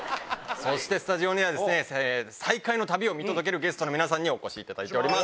そしてスタジオには、再会の旅を見届けるゲストの皆さんにお越しいただいております。